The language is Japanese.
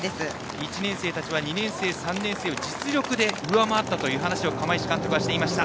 １年生たちは２年生、３年生を実力で上回ったという話を釜石監督はしていました。